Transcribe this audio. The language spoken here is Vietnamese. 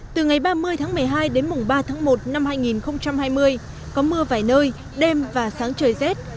từ ngày ba mươi tháng một mươi hai đến mùng ba tháng một năm hai nghìn hai mươi có mưa vài nơi đêm và sáng trời rét